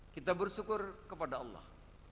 kita bersyukur kepada allah